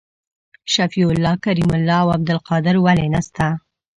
شفیع الله کریم الله او عبدالقادر ولي نسته؟